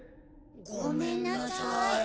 ごめんなさい。